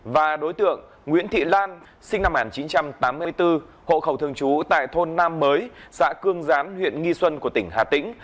và đối tượng nguyễn thị lan sinh năm một nghìn chín trăm tám mươi bốn hộ khẩu thường trú tại thôn nam mới xã cương gián huyện nghi xuân của tỉnh hà tĩnh